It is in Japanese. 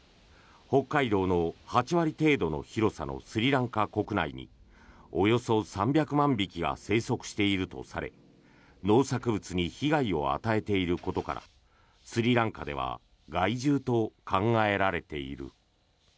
北海道の８割程度の広さのスリランカ国内におよそ３００万匹が生息しているとされ農作物に被害を与えていることからスリランカでは害獣と考えられている。